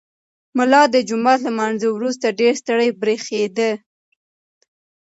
ملا د جومات له لمانځه وروسته ډېر ستړی برېښېده.